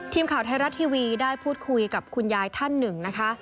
ทีมข่าวไทยรัฐทีวีได้พูดคุยกับคุณยายท่านหนึ่งนะคะ